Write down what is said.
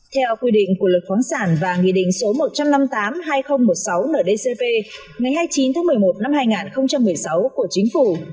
theo quy định của luật khoáng sản và nghị định số một trăm năm mươi tám hai nghìn một mươi sáu ndcp ngày hai mươi chín tháng một mươi một năm hai nghìn một mươi sáu của chính phủ